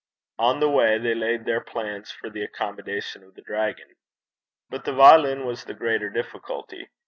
On the way they laid their plans for the accommodation of the dragon. But the violin was the greater difficulty.